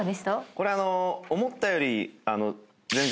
これ思ったより。